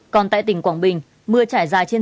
còn tại tỉnh quảng bình